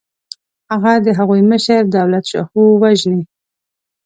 هغه د هغوی مشر دولتشاهو وژني.